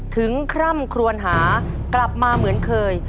คร่ำครวนหากลับมาเหมือนเคย